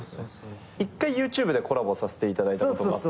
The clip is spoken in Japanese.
１回ＹｏｕＴｕｂｅでコラボさせていただいたことがあって。